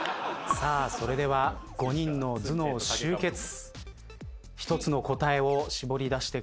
さあそれでは５人の頭脳集結１つの答えを絞り出してください。